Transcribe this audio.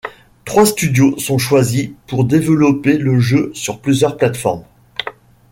Trois studios sont choisis pour développer le jeu sur plusieurs plate-formes.